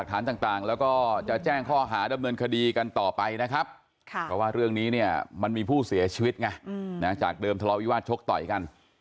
กลับไปด้วยพยายามเตรียมใจมากเลยค่ะ